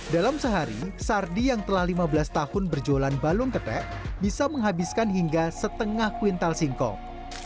dalam sehari sardi yang telah lima belas tahun berjualan balung ketek bisa menghabiskan hingga setengah kuintal singkong